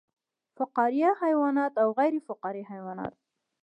فقاریه حیوانات او غیر فقاریه حیوانات